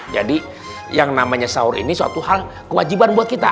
jadi yang namanya sahur ini suatu hal kewajiban buat kita